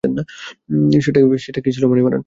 সেটা কী ছিল, মানিমারান?